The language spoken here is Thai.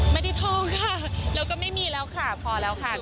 ไม่ได้ท่องค่ะแล้วก็ไม่มีแล้วค่ะพอแล้วค่ะ